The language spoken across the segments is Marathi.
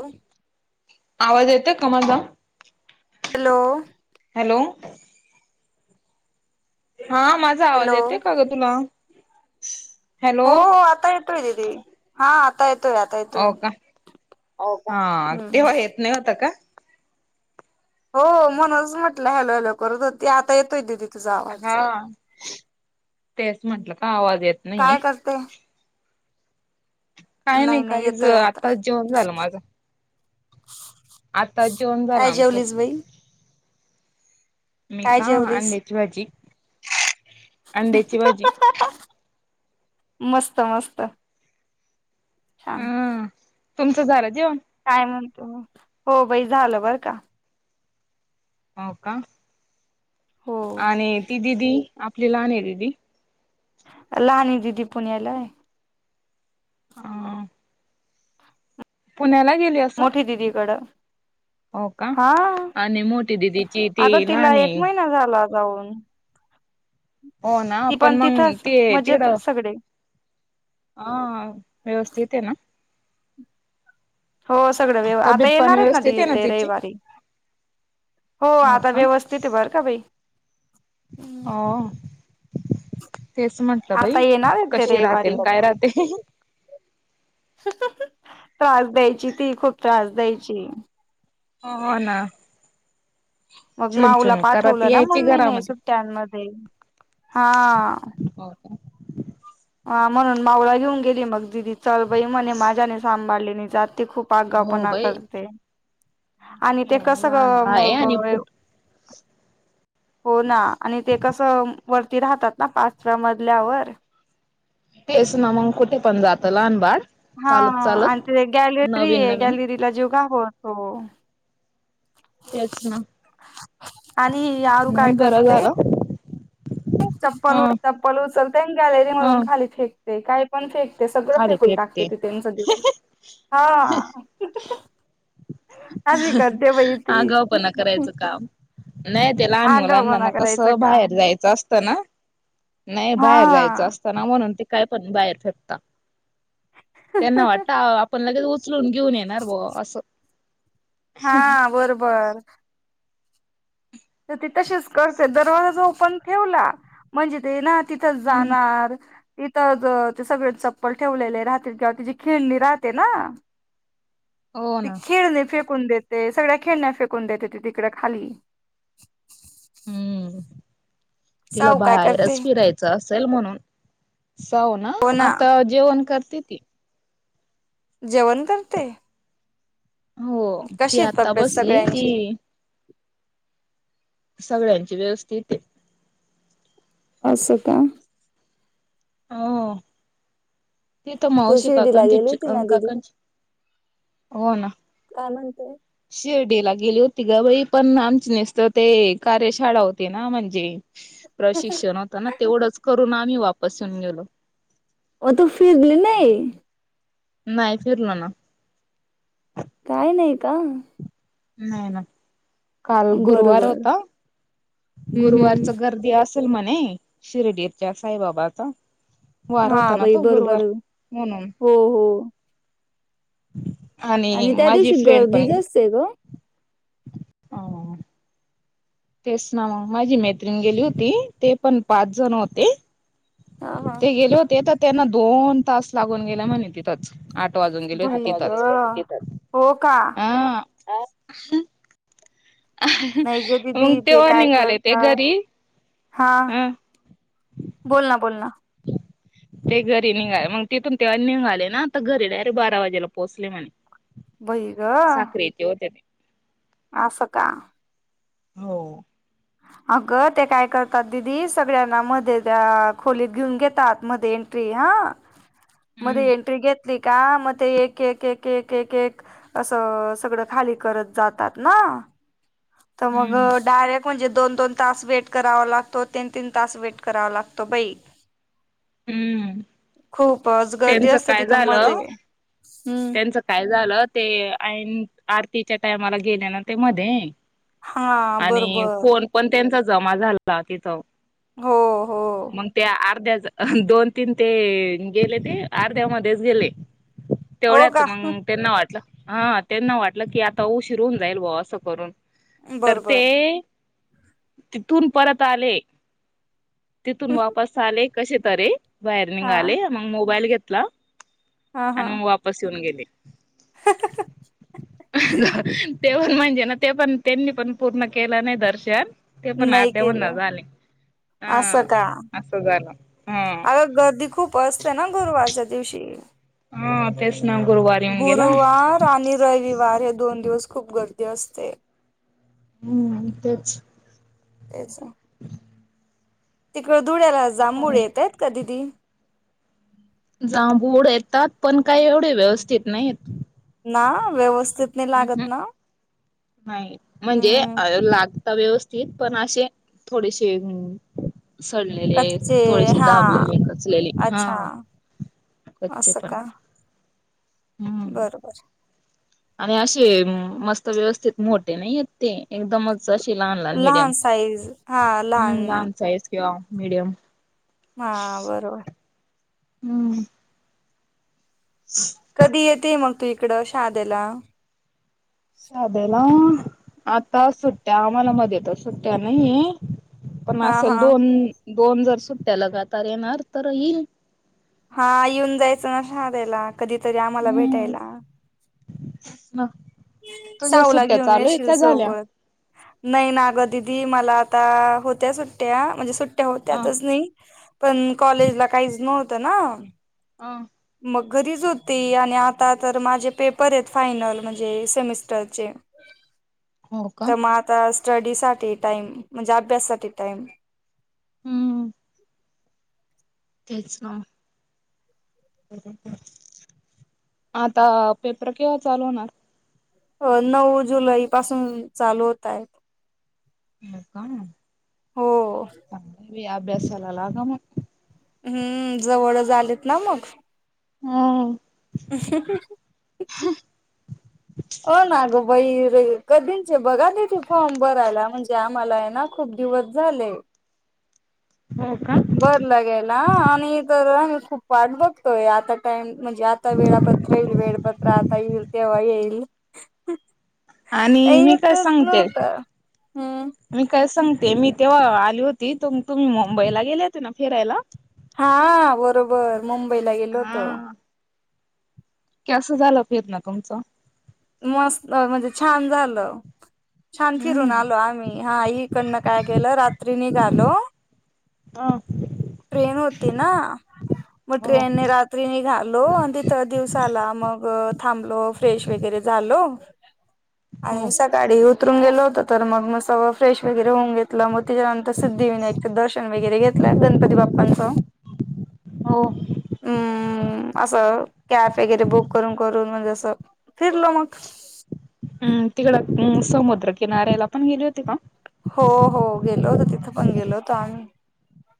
हो. आवाज येतो कमल दम हॅलो हॅलो हा माझा आवाज हॅलो येतोय का ग तुला? हॅलो हो आता येतोय दीदी हा आता येतोय आता येतोय हो का हो का हा हम्म तेव्हा येत नाही होता का? हो म्हणूनच म्हटलं हॅलो हॅलो करत होती आता येतोय दीदी हा. तेच म्हंटलं का आवाज येत नाहीये. काय करते? काय नाही काहीच आताच जेवण झालं माझं आता जेवण झालं काय आमचं जेवलीस बाई मी काय जेवलीस [unintelligible] अंड्याची भाजी मस्त मस्त छान हा. तुमचं झालं जेवण? काय म्हणतो? हो बाई झालं बरं का हो का हो आणि ती दिदी आपली लहान आहे दिदी लहान दिदी पुण्याला हाय. हा. पुण्याला हाय. मोठी दिदी कडं हो का आणि मोठी दिदीची ती अगं तिला लहान एक आहे. महिना झाला जाऊन हो ना ती पण मग तिथंच ते मजेत तिकडं सगळे हा व्यवस्थित आहे ना? हो सगळं वव आता तब्येत पाणी येणार आहेत ना, व्यवस्थित ते आहे येत्या तिची रविवारी हो आता व्यवस्थित बर का बाई हो. तेच म्हंटलं बाई आता येणार आहेत ते कशी राहते रविवारी न काय राहते. त्रास द्यायची ती खूप त्रास द्याय ची हो ना. मग छुन माऊला छुन करत पाठवलं ना यायची मम्मीने घरामध्ये सुट्ट्यांमध्ये हा. हो का म्हणून माऊला घेऊन गेली मग दिदी. चल बाई मणे माझ्याने सांभाळले नाही जात. ते खूप हो आगाऊपणा बाई करते आणि ते कसं लहान आहे मग आणि पुट हो ना. आणि ते कसं वर ते राहतात ना पाचव्या मजल्यावर. तेच ना मग कुठे पण जातं लहान बाळ. हा चालत चालत आणि ते गॅलरी नवीन नवीन गॅलरी ला जीव घा हो तो तेच ना आणि ही आरू काय नाही बर करते झाल. चप्पल चप्पल उचलते गॅलरी मधून ह खाली फेक ते काय पण फेक ते सगळं खाली फेकून टाकते फेकते ति तेनच दिवू हा अशी करते बाई ती आगाऊपणा करायचं काम. नाही ते लहान मुलांना आगाऊपणा ना करायचं कसं बाहेर काम जायचं असतं ना नाही बाहेर जायचं हा असतं ना म्हणून ते काय पण बाहेर फेकता त्यांना वाटत आपण लगेच उ उचलून घेऊन येणार ब असं हा बरोबर. तर ते तसेच करते दरवाजाच ओपन ठेवला म्हणजे ते ना तिथं हम्म. जाणार. तिथंच ते सगळे चप्पल ठेवलेले राहतील किंवा तिची खिळणी राहते ना हो ती ना खेळणी फेक फेकून देते सगळ्या खेळण्या फेकून देते ती तिकड खाली. [unintelligible] हम्म तिला साऊ काय करते बाहेरच फिरायचं अस चल म्हणून जाऊ ना आता जेवण कर ते ते जेवण करते हो ती कशी आहे आता तब्येत बसली ती सगळ्यांची सगळ्यांची व्यवस्थितेते असका हो तीथ तू मावशी शिर्डीला गेली काकचे होती ना दिदी काकनची हो ना [unintelligible] हो शिर्डीला गेली होती ग बाई पण, आमची नसत ते कार्यशाळा होती ना म्हणजे प्रशिक्षण होता ना तेवढंच करून आम्ही वापस येेऊन गेलो. तो फिरली नाही [unintelligible] नाही फिरलो ना. काय नाही का? नाही् ना काल गुरुवार बरोबर होता, हम्म गुरुवारच हम्म गर्दी असल म्हण शिर्डीरच्या साईबाबाचा वार हा होता ना भाई तो गुरुवार बरोबर म्हणून हो हो [unintelligible] आणि त्या माझी दिवशी फ्रेंड गर्दीच असते गं हा हा. तेच ना मग माझी मैत्रिण गेली होती, ते पण पाच जण होते हा हा ते गेले होते त्यांना दोन तास लागून गेला म्हणे तिथंच आ बाई गं, हो का? हा नाही ग दिदी मग ते तेव्हा काय निघाले ते करतात घरी हा अ बोल ना बोल ना ते घरी निघा मगं तिथून ते निघाले ना तर घरी डायरेक्ट बारा वाजेला पोहोचले म्हणे. बई गं! साखरेचे होते ते असं का हो अगं ते काय करतात दिदी सगळ्यांना मध्ये त्या खोलीत घेऊन घेतात आत मध्ये एंट्री हां मध्ये एंट्री घेत ते का मगं ते एक एक एक एक एक एक असं सगळं खाली करत जातात ना तर हम्म मगं डायरेक्ट म्हणजे दोन दोन तास वेट करावा लागतो तीन तीन तास वेट करावा लागतो बाई., हम्म खूपच. गर्दी त्यांचं असते काय तिथं मध्ये झालं? हम्म त्यांचं काय झालं ते. आणि आरतीच्या टाइमाला गेले ना ते मध्ये. हा आणि बरोबर फोन पण त्यांचंच. जमा झाला तिथं. हो हो मगं त्या अर्ध्या, दोन तीन ते गेले ते अर्ध्या मध्येच गेले. हो तेवढ्यात का हं, मगं त्यांना वाटलं. हा त्यांना वाटलं की आता उशीर होऊन जाईल बवा असं करून. तर बरोबर ते? तिथून परत आले. तिथून वापस आले. कशीतरी. वायरिंग हा आले मग मोबाईल घेत आ.. हा हा. गेले. हं. तेऊन म्हणजे ना, ते पण त्यांनी पण पूर्ण केलं नाही दर्शन. ते पण नाही अर्ध्यावरण केलं. झाले हा असं का असं झालं हा अग गर्दी खूप अस त ना गुरवारच्या दिवशी. हा ते गुरुवार आणि रविवार. दोन दिवस खूप गर्दी असते. हम् आणि तेच. तेच. रिकामा ऑडिओ तिकडे धुळ्याला जांभूळ येत आहेत का दिदी? जांभूळ येतात पण काही एवढे व्यवस्थित नाहीत ना व्यवस्थ कितने लागत ना! नाही म्हणजे हम्म अ लाग व्यवस्थित पण असे थोडेसे. हं. सडलेले, कच्चे थोडेसे हा दाबलेले, कचलेले, अच्छा हा कच्चे असं पण. का हम्म बरोबर. आणि असे मस्त व्यवस्थित मोठे नाही. ते एकदमच शीला आणलाय मिडियम लहान साईज हा हम्म लहान साईज किंवा मं मीडियम. हा बरोबर. हम्म. रिकामा ऑडिओ कधी येते मग तू इकड शादेला? साध्याला आता सुट्ट्या आम्हाला मध्येेत सुट्ट्या नाहीये. पण हा असेल हा दोन. दोन जर सुट्ट्या लगातार येणार तर येईल. हा येऊन जायचं शादेला. कधीतरी आम्हाला हम्म भेटायला. तुझ्या सावला सुट्ट्या घेऊन चालू आहे येशील का झाल्या सोबत. नाही ना ग दिदी मला आता होत्या सुट्ट्या, म्हणजे, सुट्ट्य अ त्यातच नाही. पण कॉलेज ला काहीच नव्हत त ना. [inaudible] मग घरीच होती, आणि आता तर माझे पेपर आहेत फायनल म्हणजे सेमिस्टरचे! हो का तर म आता स्टडी साठी टाईम म्हणजे अभ्यास साठी टाईम हम्म. तेच ना. आता पेपर केव्हा चालू होणार? अ नऊ जुलै पासून चालू होत आहेत. नका हो बाई अभ्यासाला लागा मग हम्म जवळच आलेत ना मग? हम. ओ ना ग वैर कधींचे बघा त ते फॉर्म भरायला, म्हणजे आम्हाला आहे ना खूप दिवस झाले. हो का? बरं लागेल आणि तर वाट बघतोय आता टाइम म्हणजे आता वेळापत्र येईल वेळपत्र प्राता येईल तव्हा येईल. आणि मी काय येतच सांगते, नव्हतं हम्म मी काय सांग ते मी तेव्हा आली होती तुम्ही मुंबईला गेले होते ना फिरायला? हा बरोबर मुंबईला गेलो होतो. हा. कसं झालं फिरण तुमचं? मस्त म्हणजे छान झालं. छान फिरून हम्म. आलो आम्ही हा इकडनं काय केलं रात्री निघालो. अ ट्रेन होती ना मग हो ट्रेनने रात्री निघालो आणि तिथ दिवस साला मग‌. थांबलो फ्रेश वगैरे झालो. आणि सकाळी उतरून गेलो तर मग मस्त फ्रेश वगैरे होऊन घेतलं मगं, त्याच्यानंतर सिद्धिविनायकं दर्शन वगैर घेतल, गणपती बाप्पांच हम्म अस. कॅब वगैरे बुक करून करून म्हणजे असं तर फिरलो मगं. हम्म तिकडं समुद्र तर किनाऱ्याला पण गेले होते का? हो हो गेलो होत तिथं पण गेलो होतो आम्ही.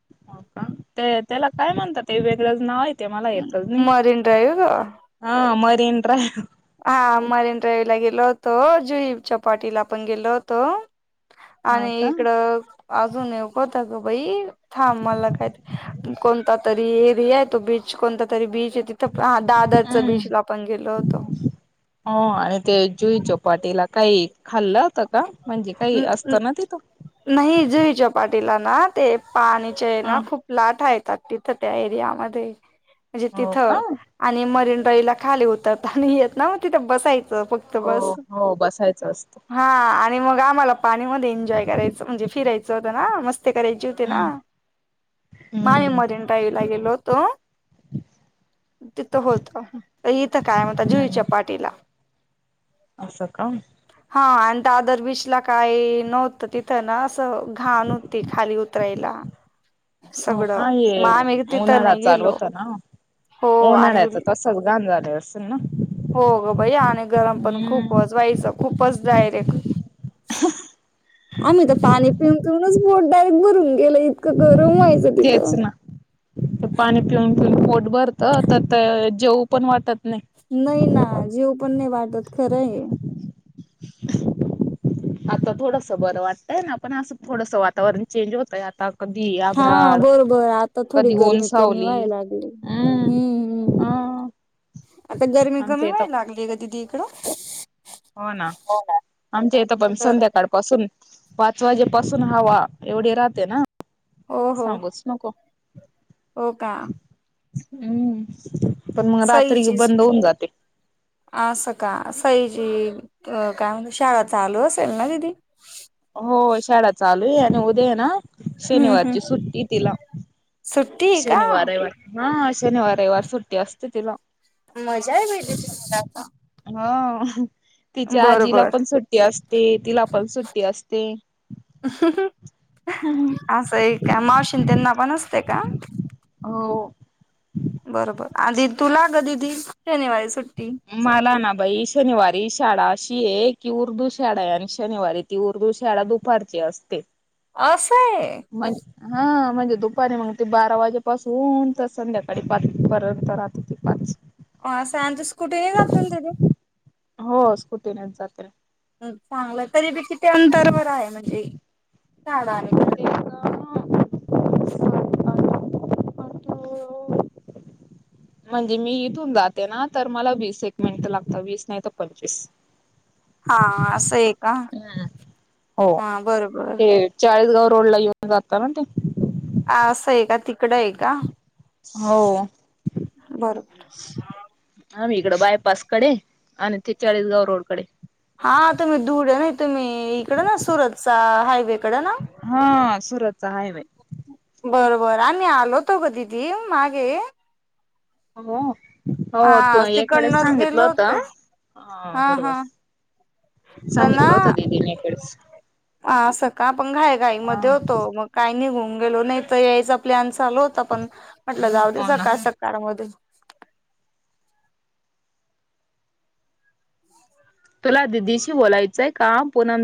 [inaudible] त्याला काय म्हणतात वेगळंच नाव. ते मला येतच नाही मरीनड्राव. [unintelligible] हा मरनड्रयवी ला गेलो होतों, जुई चपाटीला पण गेलो होतों,. हो आणि का? इकडं अजून अगं बाई! थांब मला काय कोणता तरी. एरिया आहे तो बीच, कोणता तरी बीच.? तिथ दादरच हम्म. बीच ला पण गेलो होतो. हो आणि ते जुई चौ पाटीला काय. ते खाल्लं होतं का? म्हणजे काही असतं ना तिथं? नाही. तेला ना ते पाणीचे ना हा. खूप लाठ आहेत तिथं त्या एरियामध्ये म्हणजे हो तिथं का? आणि मरीन तहिला खाली उतरता नई येत ना म तिथे बसायच. फक्त हो बस, हो बसायचं असतं. हा. आणि मगं मला पाणीमध्ये एन्जॉय करायचं म्हणजे फिरायचं होत ना, मस्त. ते करायची होते ना, हम्म माम्ही हम्म मरीनड्रायव ला गेलो होतो. तो. तिथं होत इथं काय मणता जुईच्या पाटीला. असं का. ह आणि दादर वीस लाख, काही नव्हत तिथं ना, अस घाण होती खाली उतरायला. हो सगळं काय मग आम्ही तिथं उन्हाळाय नाही चालू गेलो होत ना, हो आणि उन्हाळ्याच तसच गाण झालं असती स ना हो गं बई आणि गरम पण हम्म खूपच व्हायचं. खूपच डायरेक्ट आम्ही तर पाणी पिऊन पिऊनच पोठ डायरेक्ट भरून गेलं इतकं ग! गरम व्हायचं तीत तेच ना ते पाणी पिऊन, पोट भरत त त जेऊ पण वाटत [unintelligible] नाहीय ना, जेव पण नाही वाट होत खरं आहे. आता थोडस बरं वाटतंय ना, पण असं थोडस वातावरण चेंज होतंय आता. कधी हा आभ्राड बरोबर आता थोडी कधी ऊन गरमी कमी सावली व्हाय लागली. हम्म हम्म ह आता गरमी कमी आमच्या इथं व्हाय पण लागली, काि क हो ना आमच्या इथं पण तर संध्याकाळपासून, पाच वाजेपसून हवा एवढी राहते ना, हो हो सांगूच नको. हो का हम् सही चचीज आ स का सही, जी काय म्हणत शाळा चालू असेल ना? दिदी हो शाळा चालू आहे. न हो दे्या ना. हम्म हम्म शनिवारची सुट्टी तिला. सुट्टी आहे का? शनिवार रयवार ह. ह शनिवार रयवार सुट्टी असते तिला. मजा आहे बाई तुझी तलाता हा. तिच्या आजीला पण सुट्टी असते. तिला पण सुट्टी असते. हा असं एक का मावशीन त्यांना मनस्ते का. हो बरोबर आधी तुला कधी ती शनिवारी सुट्ट मला ना भाई शनिवारी शाळात अशी आहे की उर्दू शाळा आहे आणि शनिवारी ती उर्दू शाळा दुपारची असते. असं आहे. मज हा. म्हणजे दुपारी मग ते बारा वाजेपासून तर संध्याकाळी पाचपर्यंत राहते त पाच हो अस आमच सूद कुठेही दाखवून दिलं. उत्तीनन चात्र चांगलं तरी बी, किती अंतरवर आहे म्हणजे, दहा दहा मीटर. म्हणजे मी इथून जाते ना, तर मला वीस एक मिनिट लागत, वीस नाही तर पंचवीस. हा असं आहे का, हम्म. हो हा बर बर. ते चाळीसगाव रोड ला, येऊन जाता ना ते. ह असं आहे का, तिकडं आहे का? हो. बरोबर. हा मी इकडं, बायपासकडे आणि, ते चाळीसगाव रोडकडे. हा तुम्ही धुळे नाही तुम्ही इकडं ना, सुरतचा हायवेकड ना. हा [inaudible] बरबरं आणिम् आलोतो ग दिदी मागे. अहो. हो तू हा एक वडेच तिकडनच सांगितलं गेलो होत होतो हा बरोबर. हा पण ना सांगितलं होत दिदीने एक वेळेस सका, पण घाय घाई हा मध्ये होतो हो मग काय? निघून गेलो नाही त यायचं आपल्या अंगस चालू होत पण म्हटलं जाऊ ना सकाळ सकाळमध्ये तुला दिदीशी बोलायचंय का पुनम